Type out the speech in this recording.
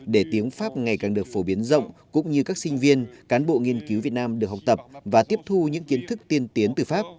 để tiếng pháp ngày càng được phổ biến rộng cũng như các sinh viên cán bộ nghiên cứu việt nam được học tập và tiếp thu những kiến thức tiên tiến từ pháp